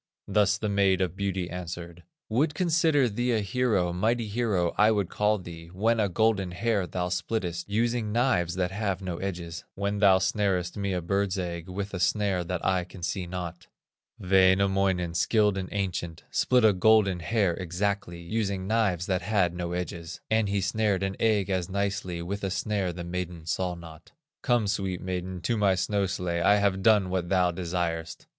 Thus the Maid of Beauty answered: "Would consider thee a hero, Mighty hero, I would call thee, When a golden hair thou splittest, Using knives that have no edges; When thou snarest me a bird's egg With a snare that I can see not." Wainamoinen, skilled and ancient, Split a golden hair exactly, Using knives that had no edges; And he snared an egg as nicely With a snare the maiden saw not. "Come, sweet maiden, to my snow sledge, I have done what thou desirest."